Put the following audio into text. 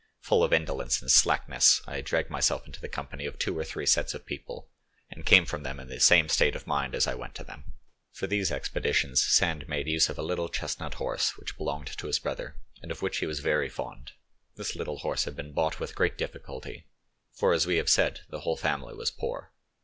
Full of indolence and slackness, I dragged myself into the company of two or three sets of people, and came from them in the same state of mind as I went to them." Far these expeditions Sand made use of a little chestnut horse which belonged to his brother, and of which he was very fond. This little horse had been bought with great difficulty; for, as we have said, the whole family was poor.